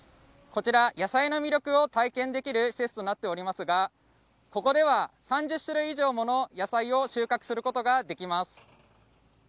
こちらは野菜の魅力を体験できる施設となっておりますがここでは３０種類以上もの野菜を収穫することができます。